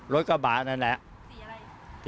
รถกระบะนั่นแหละสี๒๖๓๐๐๑๒